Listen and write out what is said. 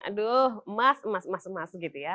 aduh emas emas emas emas gitu ya